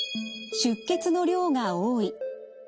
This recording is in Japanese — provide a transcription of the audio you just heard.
出血の量が多い。